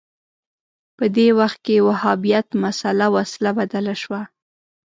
په دې وخت کې وهابیت مسأله وسله بدله شوه